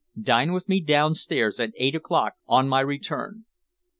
"Dine with me downstairs at eight o'clock on my return."